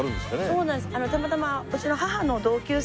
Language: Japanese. そうなんです。